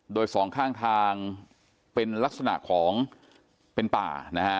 โดยสองข้างทางเป็นลักษณะของเป็นป่านะฮะ